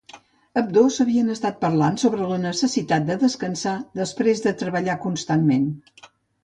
Ambdós, havien estat parlant sobre la necessitat de descansar després de treballar constantment.